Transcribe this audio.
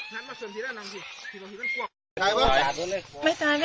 ขายหลังไม่ตายไม่ตาย